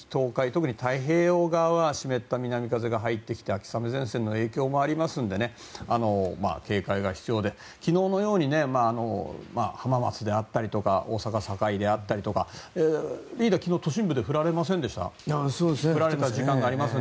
特に太平洋側は湿った南風が入ってきて秋雨前線の影響もありますので警戒が必要で昨日のように浜松であったりとか大阪・堺であったりとか都心部でも昨日降られた時間帯もありました。